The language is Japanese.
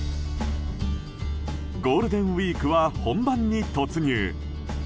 ゴールデンウィークは本番に突入。